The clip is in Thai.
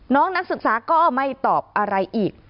นักศึกษาก็ไม่ตอบอะไรอีก